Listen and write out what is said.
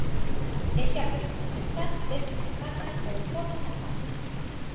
E xa poden protestar dentro da Cámara ou fóra da Cámara.